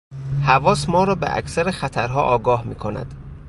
حواس ما را به اکثر خطرها آگاه میکند.